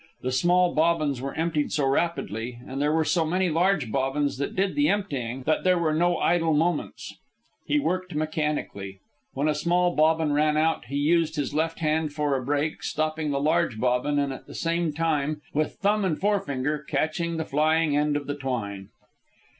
The small bobbins were emptied so rapidly, and there were so many large bobbins that did the emptying, that there were no idle moments. He worked mechanically. When a small bobbin ran out, he used his left hand for a brake, stopping the large bobbin and at the same time, with thumb and forefinger, catching the flying end of twine.